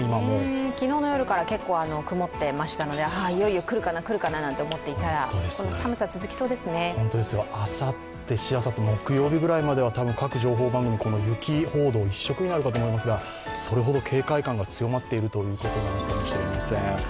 昨日の夜から結構、曇ってましたのでいよいよくるかな、くるかなと思っていたら、あさって、しあさって、多分、各情報番組雪報道一色になると思いますがそれほど警戒感が強まっているのかもしれません。